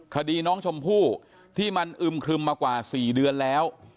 คดีน้องชมพู่ที่มันอึมครึมมากว่า๔เดือนแล้ว